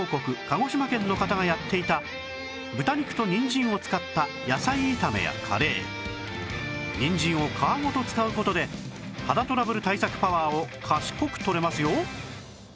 鹿児島県の方がやっていた豚肉とにんじんを使った野菜炒めやカレーにんじんを皮ごと使う事で肌トラブル対策パワーを賢くとれますよ！